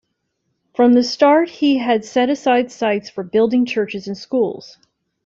From the start he had set aside sites for building churches and schools.